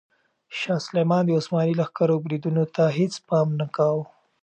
شاه سلیمان د عثماني لښکرو بریدونو ته هیڅ پام نه کاوه.